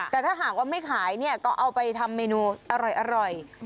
แต่ถ้าหากว่าไม่ขายเนี่ยก็เอาไปทำเมนูอร่อย